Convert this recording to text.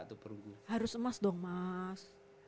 atau perunggu harus emas dong mas